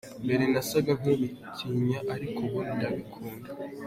Mbere nasaga nk’ubitinya ariko ubu ndabikunda.